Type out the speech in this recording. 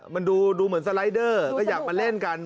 มันดูเหมือนสไลเดอร์ก็อยากมาเล่นกัน